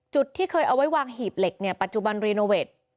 ที่เคยเอาไว้วางหีบเหล็กเนี่ยปัจจุบันรีโนเวท